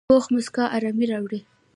پوخ مسکا آرامي راوړي